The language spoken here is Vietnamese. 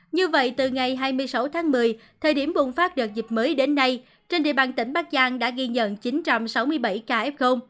như vậy từ ngày hai mươi sáu tháng một mươi thời điểm bùng phát đợt dịch mới đến nay trên địa bàn tỉnh bắc giang đã ghi nhận chín trăm sáu mươi bảy ca f